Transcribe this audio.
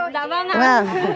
dạ vâng ạ